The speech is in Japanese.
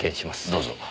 どうぞ。